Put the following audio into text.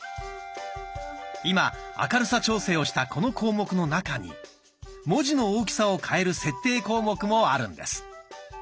今明るさ調整をしたこの項目の中に文字の大きさを変える設定項目もあるんです。